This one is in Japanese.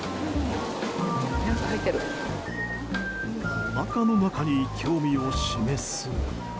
おなかの中に興味を示す。